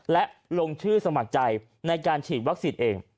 และลงชื่อสมัครใจในการฉีดวัคซีนเอง